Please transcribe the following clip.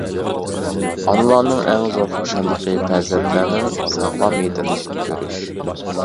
ئانىلارنىڭ ئەڭ زور خۇشاللىقى پەرزەنتلەرنىڭ ساغلام يېتىلىشىنى كۆرۈش.